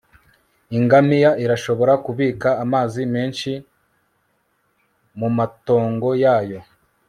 ingamiya irashobora kubika amazi menshi mumatongo yayo